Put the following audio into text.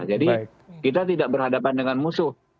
kita tidak berhadapan dengan musuh